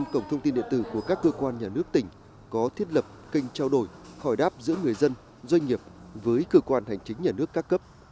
một trăm linh cổng thông tin điện tử của các cơ quan nhà nước tỉnh có thiết lập kênh trao đổi khỏi đáp giữa người dân doanh nghiệp với cơ quan hành chính nhà nước các cấp